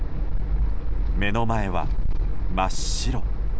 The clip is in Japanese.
目の前は、真っ白。